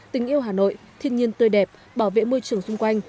tình yêu hà nội thiên nhiên tươi đẹp bảo vệ môi trường xung quanh